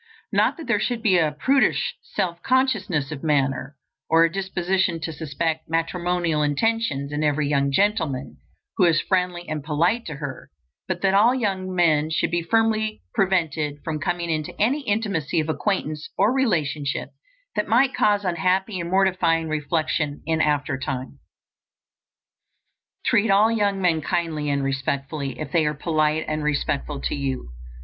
Not that there should be a prudish self consciousness of manner, or a disposition to suspect matrimonial intentions in every young gentleman who is friendly and polite to her, but that all young men should be firmly prevented from coming into any intimacy of acquaintance or relationship that might cause unhappy and mortifying reflection in after time. Treat all young men kindly and respectfully, if they are polite and respectful to you.